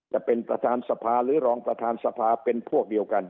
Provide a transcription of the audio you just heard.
จะเป็นประธานสภาหรือรองประธานสภาเป็นพวกเดียวกัน